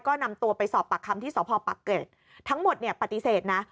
ก็นำตัวไปสอบปากคำที่สพปักเกร็ดทั้งหมดเนี่ยปฏิเสธนะ